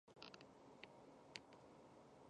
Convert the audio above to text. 努朗人口变化图示